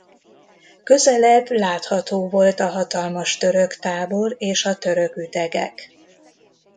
Közelebb látható volt a hatalmas török tábor és a török ütegek.